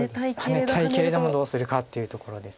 ハネたいけれどもどうするかっていうところです。